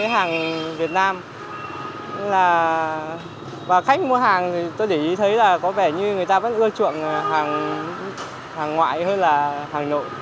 hàng việt nam và khách mua hàng thì tôi để ý thấy là có vẻ như người ta vẫn ưa chuộng hàng ngoại hơn là hàng nội